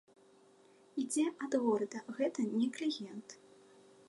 Ідзе ад горада, гэта не кліент.